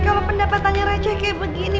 kalau pendapatannya receh kayak begini